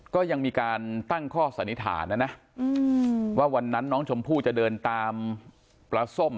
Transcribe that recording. ก็ยังมีการตั้งข้อสันนิษฐานนะนะว่าวันนั้นน้องชมพู่จะเดินตามปลาส้ม